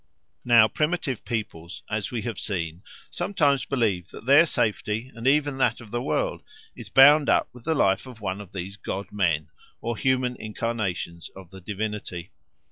Now primitive peoples, as we have seen, sometimes believe that their safety and even that of the world is bound up with the life of one of these god men or human incarnations of the divinity.